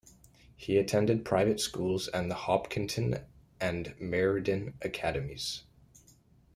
He attended private schools and the Hopkinton and Meriden academies.